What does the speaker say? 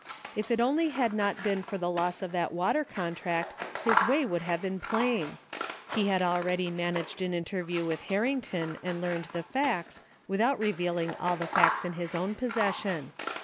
If it only had not been for the loss of that water con tract his way would have been plain. He had already managed an interview with Harrington and learned the facts without revealing all the facts in his own pos session.